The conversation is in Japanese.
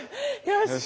よし！